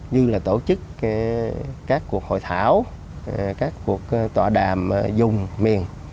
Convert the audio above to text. như là tổ chức các cuộc hội thảo các cuộc tọa đàm dùng miền